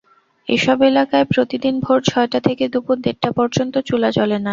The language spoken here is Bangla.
এসব এলাকায় প্রতিদিন ভোর ছয়টা থেকে দুপুর দেড়টা পর্যন্ত চুলা জ্বলে না।